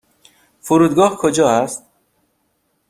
فرودگاه کجا است؟